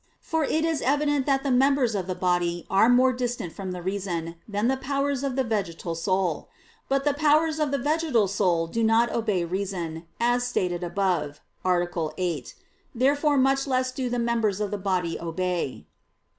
For it is evident that the members of the body are more distant from the reason, than the powers of the vegetal soul. But the powers of the vegetal soul do not obey reason, as stated above (A. 8). Therefore much less do the members of the body obey.